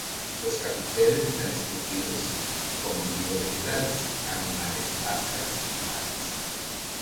Los capiteles están esculpidos con motivos vegetales, animales y máscaras humanas.